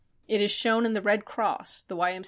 It is shown in the Red Cross, the Y. M.